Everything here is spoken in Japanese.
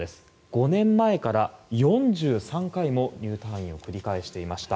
５年前から４３回も入退院を繰り返していました。